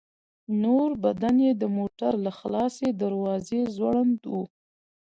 نور بدن يې د موټر له خلاصې دروازې ځوړند و.